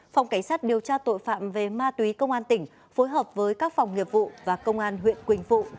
phòng cảnh sát điều tra tội phạm về ma túy công an tỉnh phối hợp với các phòng nghiệp vụ và công an huyện quỳnh phụ